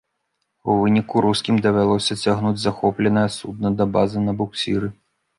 У выніку рускім давялося цягнуць захопленае судна да базы на буксіры.